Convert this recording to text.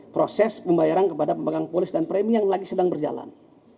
proses pembayaran kepada pemegang polis dan premi yang lagi sedang berjalan